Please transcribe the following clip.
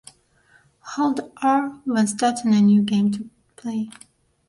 Hold R when starting a New Game to play.